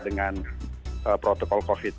dengan protokol covid